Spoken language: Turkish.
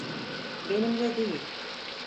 Benimle değil.